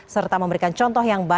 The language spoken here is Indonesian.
serta memberikan contoh yang baik